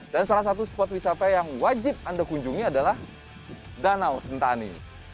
dan salah satu spot wisata yang wajib anda kunjungi adalah danau sentani